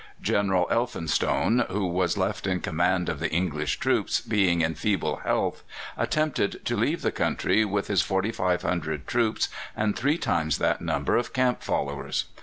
General Elphinstone, who was left in command of the English troops, being in feeble health, attempted to leave the country with his 4,500 troops and three times that number of camp followers.